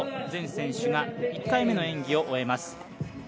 全選手が１回目の演技を終えます。